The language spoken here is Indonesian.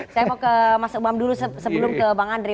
saya mau ke mas umam dulu sebelum ke bang andri